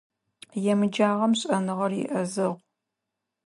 Емыджагъэм шӏэныгъэр иӏэзэгъу.